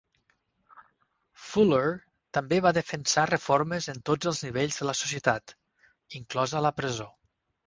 Fuller també va defensar reformes en tots els nivells de la societat, inclosa la presó.